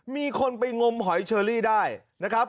มีคนไปงมหอยเชอรี่ได้นะครับ